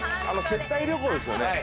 あの、接待旅行ですよね。